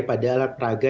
pada alat peraga